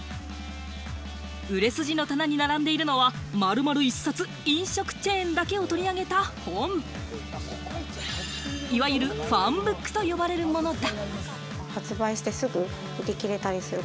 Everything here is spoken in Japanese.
売れ筋の棚に並んでいるのは丸々１冊、飲食チェーンだけを取り上げた本、いわゆるファンブックと呼ばれるものだ。